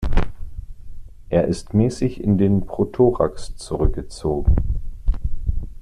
Er ist mäßig in den Prothorax zurückgezogen.